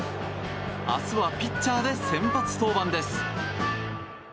明日はピッチャーで先発登板です。